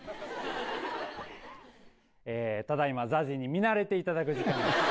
ええただいまＺＡＺＹに見慣れていただく時間です。